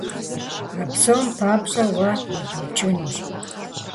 А псом папщӀэ уэ удукӀынущ!